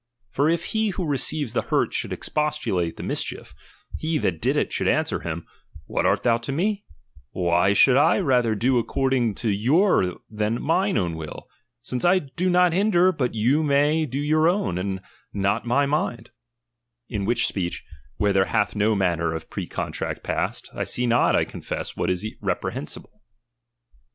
For if he who receives the hurt should expostulate the mis chief, he that did it should answer thus : what art thou to me ; why should I rather do accordr ittg to your than mine own will, since I do not hinder but you may do your own, and not my mind 9 In which speech, where there hath no manner of pre contract passed, I see not, I confess, what is reprehensible.